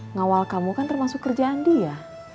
ngawal kamu kan termasuk kerjaan dia